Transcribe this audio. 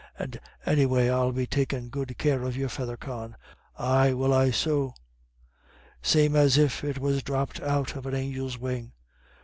And anyway I'll be takin' good care of your feather, Con. Ay will I so; same as if it was dropped out of an angel's wing."